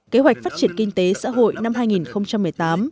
kế hoạch phát triển kinh tế xã hội năm hai nghìn một mươi tám